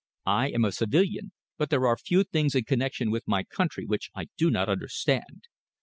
I am a civilian, but there are few things in connection with my country which I do not understand.